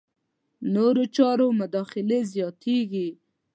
نورو چارو مداخلې زیاتېږي.